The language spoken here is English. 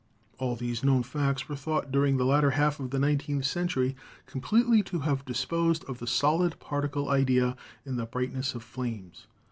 All these known facts were thought during the latter half of the nineteenth cen 108 PHYSICS tury completely to have disposed of the solid par ticle idea in the brightness of flames.